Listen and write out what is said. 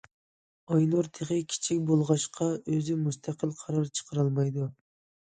ئاينۇر تېخى كىچىك بولغاچقا، ئۆزى مۇستەقىل قارار چىقىرالمايدۇ.